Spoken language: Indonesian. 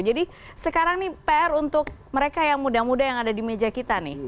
jadi sekarang nih pr untuk mereka yang muda muda yang ada di meja kita nih